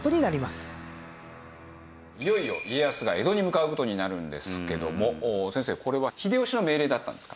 いよいよ家康が江戸に向かう事になるんですけども先生これは秀吉の命令だったんですか？